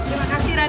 terima kasih raja